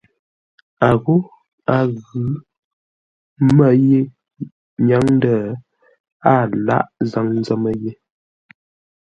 A ghô a ghʉ́ mə́ ye nyáŋ ndə̂ a lâghʼ zâŋ ńzə́mə́ yé.